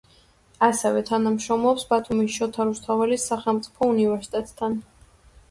ასევე თანამშრომლობს ბათუმის შოთა რუსთაველის სახელმწიფო უნივერსიტეტთან.